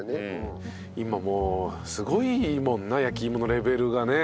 今もうすごいいいもんな焼き芋のレベルがね。